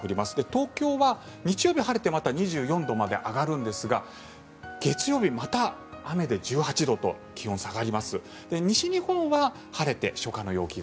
東京は日曜日は晴れてまた２４度まで上がるんですが月曜日、また雨で１８度と「ワイド！